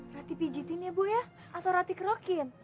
bikin pijitin ya bu ya atau rati kerokin